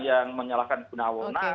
yang menyalahkan guna guna